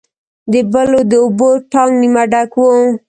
د بلو د اوبو ټانک نیمه ډک و.